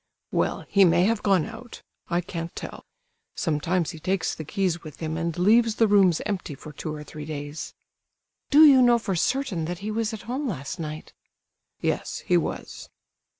"Well, he may have gone out. I can't tell. Sometimes he takes the keys with him, and leaves the rooms empty for two or three days." "Do you know for certain that he was at home last night?" "Yes, he was."